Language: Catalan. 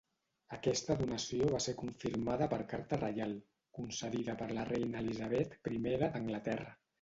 Aquesta donació va ser confirmada per carta reial, concedida per la reina Elisabet I d'Anglaterra.